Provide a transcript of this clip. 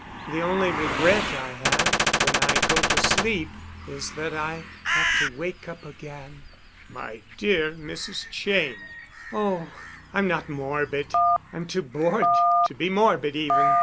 The only regret I have when I go to sleep is that I have to wake up again." "My dear Mrs. Cheyne——" "Oh, I'm not morbid. I'm too bored to be morbid even.